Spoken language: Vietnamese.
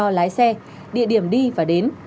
cho lái xe địa điểm đi và đến